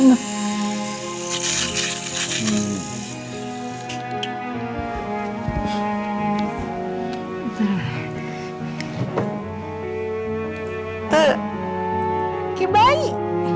nanti aku syukur ya